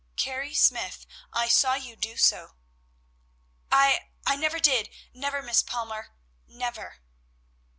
"Carrie Smyth, I saw you do so!" "I I never did, never, Miss Palmer. _Never!